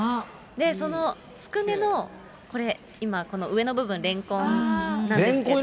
そのつくねの、これ、今、この上の部分、レンコンなんですけど。